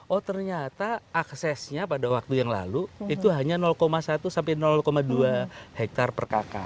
oh ternyata aksesnya pada waktu yang lalu itu hanya satu sampai dua hektare per kakak